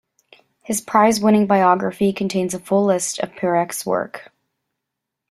His prize-winning biography contains a full list of Perec's works.